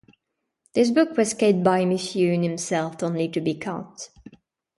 This book was kept by Mifune himself only to be caught.